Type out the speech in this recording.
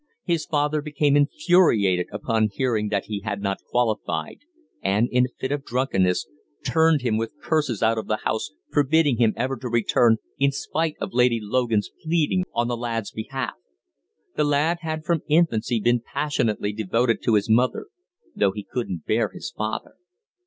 His father became infuriated upon hearing that he had not qualified, and, in a fit of drunkenness, turned him with curses out of the house, forbidding him ever to return, in spite of Lady Logan's pleading on the lad's behalf. The lad had from infancy been passionately devoted to his mother, though he couldn't bear his father.